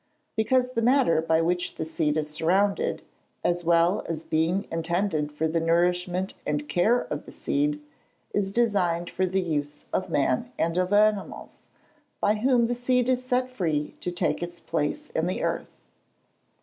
_ Because the matter by which the seed is surrounded, as well as being intended for the nourishment and care of the seed, is designed for the use of man and of animals, by whom the seed is set free to take its place in the earth.